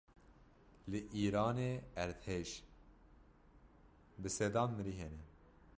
Li îranê erdhej: bi sedan mirî hene